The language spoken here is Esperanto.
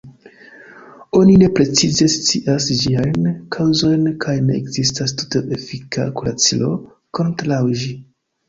Oni ne precize scias ĝiajn kaŭzojn, kaj ne ekzistas tute efika kuracilo kontraŭ ĝi.